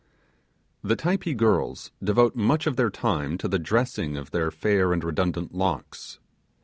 The Typee girls devote much of their time to the dressing of their fair and redundant locks.